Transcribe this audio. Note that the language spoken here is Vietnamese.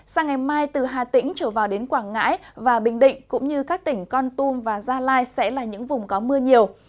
sang ngày mai từ hà tĩnh trở vào đến quảng ngãi và bình định cũng như các tỉnh con tum và gia lai sẽ là những vùng có mưa nhiều